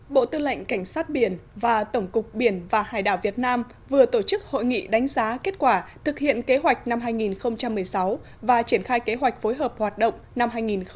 bộ tư lệnh cảnh sát biển và tổng cục biển và hải đảo việt nam vừa tổ chức hội nghị đánh giá kết quả thực hiện kế hoạch năm hai nghìn một mươi sáu và triển khai kế hoạch phối hợp hoạt động năm hai nghìn một mươi chín